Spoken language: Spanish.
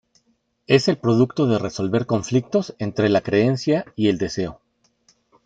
Es el producto de resolver conflictos entre la creencia y el deseo.